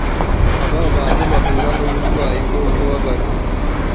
Aba bantu bahura nuburwayi bwo kubabara